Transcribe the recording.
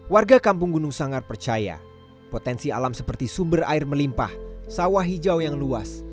warga kampung gunung sangar percaya potensi alam seperti sumber air melimpah sawah hijau yang luas